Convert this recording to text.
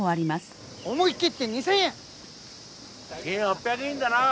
１，８００円だな。